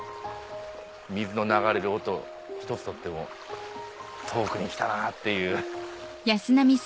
水の流れる音一つとっても遠くに来たなぁっていう。